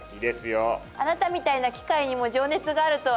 あなたみたいな機械にも情熱があるとは！